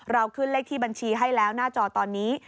ขึ้นเลขที่บัญชีให้แล้วหน้าจอตอนนี้